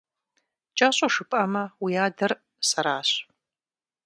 КӀэщӀу жыпӀэмэ, уи адэр сэращ…